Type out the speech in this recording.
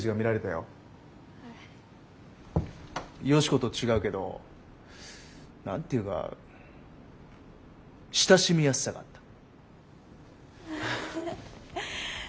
芳子と違うけど何て言うか親しみやすさがあった。